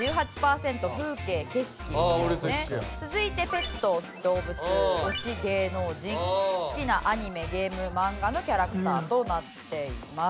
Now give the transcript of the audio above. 続いてペット・動物推し・芸能人好きなアニメ・ゲーム漫画のキャラクターとなっています。